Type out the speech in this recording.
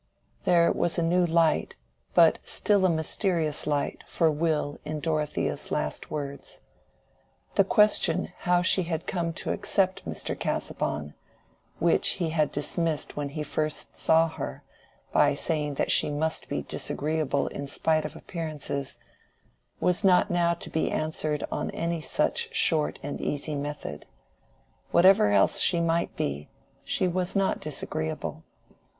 There was a new light, but still a mysterious light, for Will in Dorothea's last words. The question how she had come to accept Mr. Casaubon—which he had dismissed when he first saw her by saying that she must be disagreeable in spite of appearances—was not now to be answered on any such short and easy method. Whatever else she might be, she was not disagreeable.